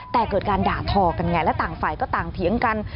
แต่เกิดการด่าทอกันไงและต่างฝ่ายก็ต่างเถียงกัน